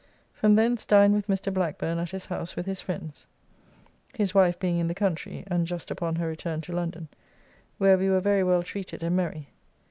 From thence dined with Mr. Blackburne at his house with his friends (his wife being in the country and just upon her return to London), where we were very well treated and merry.